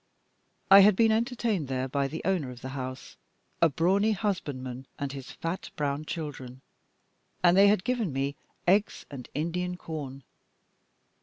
I had been entertained there by the owner of the house, a brawny husbandman and his fat brown children, and they had given me eggs and Indian corn.